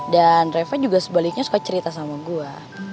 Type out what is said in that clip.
dan reva juga sebaliknya suka cerita sama gue